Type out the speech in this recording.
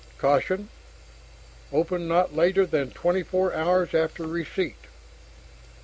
CAUTION: Open not later than 24 hours after receipt.